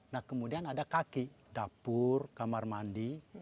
nah kemudian ada kaki dapur kamar mandi